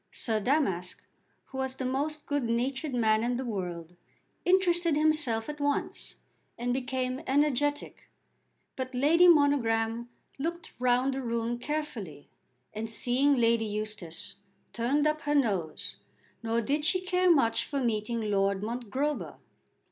Sir Damask, who was the most good natured man in the world, interested himself at once and became energetic; but Lady Monogram looked round the room carefully, and seeing Lady Eustace, turned up her nose, nor did she care much for meeting Lord Mongrober.